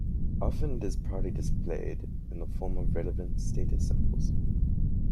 Often it is proudly displayed, in the form of relevant status symbols.